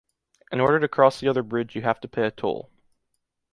In order to cross the other bridge you have to pay a toll.